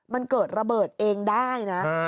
มันเกิดระเบิดเองได้นะ